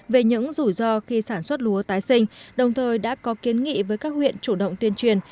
về những rủi ro khi sản xuất lúa tái sinh đồng thời đã có kiến nghị với các huyện chủ động tuyên truyền